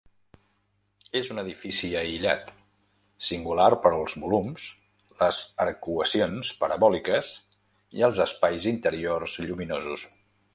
És un edifici aïllat, singular pels volums, les arcuacions parabòliques i els espais interiors lluminosos.